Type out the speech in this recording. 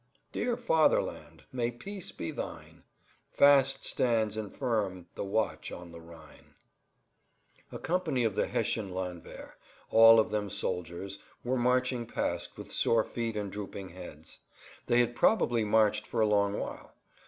"Dear Fatherland, may peace be thine; Fast stands and firm the Watch on the Rhine." [Pg 75]A company of the Hessian landwehr, all of them old soldiers, were marching past with sore feet and drooping heads. They had probably marched for a long while.